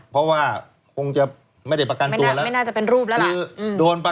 เพราะว่าคงจะไม่ได้ประกันตัวแล้วไม่น่าจะเป็นรูปแล้วล่ะ